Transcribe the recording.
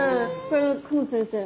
塚本先生